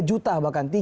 tiga juta bahkan